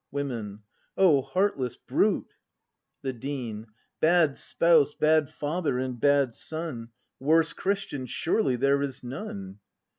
Women. O heartless brute! The Dean. Bad spouse, bad father, and bad son, — Worse Christian surely there is none!